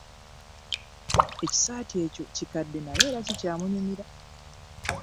Ekisaati ekyo kikadde naye era kikyamunyumira.